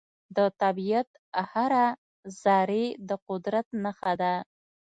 د طبیعت هره ذرې د قدرت نښه ده.